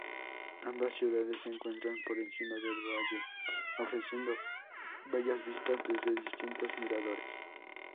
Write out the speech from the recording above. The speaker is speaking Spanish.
Ambas ciudades se encuentran por encima del valle, ofreciendo bellas vistas desde distintos miradores.